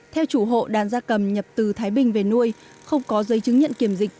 theo chủ hộ đàn da cầm nhập từ thái bình về nuôi không có dây chứng nhận kiểm dịch